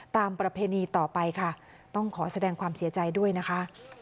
ประเพณีต่อไปค่ะต้องขอแสดงความเสียใจด้วยนะคะ